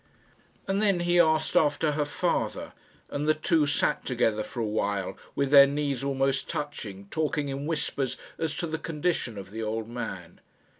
And then he asked after her father; and the two sat together for a while, with their knees almost touching, talking in whispers as to the condition of the old man.